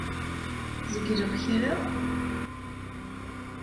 Zegleɣ kra?